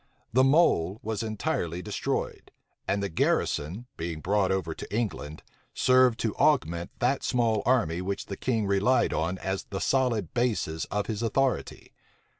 The mole was entirely destroyed; and the garrison, being brought over to England, served to augment that small army which the king relied on as the solid basis of his authority.